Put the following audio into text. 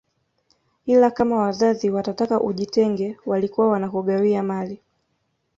Ila kama wazazi watataka ujitenge walikuwa wanakugawia mali